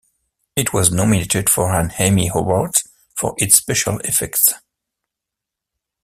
It was nominated for an Emmy Award for its special effects.